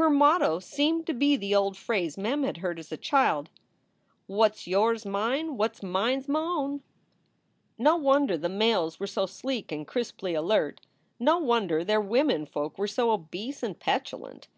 Her motto seemed to be the old phrase Mem had heard as a child: "What s yours s mine; what s mine s m own." No wonder the males were so sleek and crisply alert. No wonder their womenfolk were so obese and petulant.